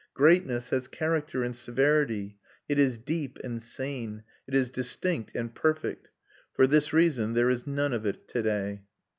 Greatness has character and severity, it is deep and sane, it is distinct and perfect. For this reason there is none of it to day.